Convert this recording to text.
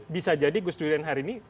bisa jadi gusdurian hari ini